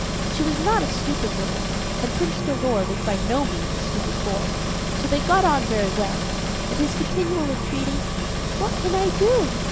She was not a stupid woman, and Prince Dolor was by no means a stupid boy; so they got on very well, and his continual entreaty, "What can I do?